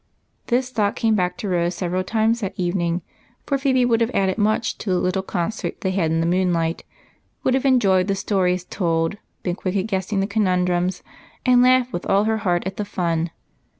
" This thought came back to Rose several times that evening, for Phebe would have added much to the little concert they had in the moonlight, would have enjoyed the stories told, been quick at guessing the conundrums, and laughed with all her heart at the fun.